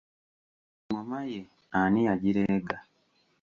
Engoma ye ani yagireega?